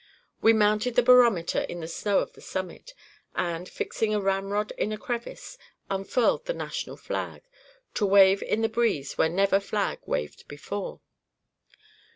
We mounted the barometer in the snow of the summit, and, fixing a ramrod in a crevice, unfurled the national flag, to wave in the breeze where never flag waved before.